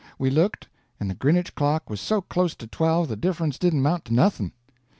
We looked, and the Grinnage clock was so close to twelve the difference didn't amount to nothing.